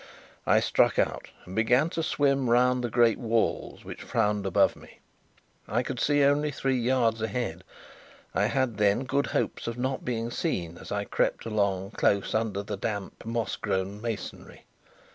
I struck out, and began to swim round the great walls which frowned above me. I could see only three yards ahead; I had then good hopes of not being seen, as I crept along close under the damp, moss grown masonry.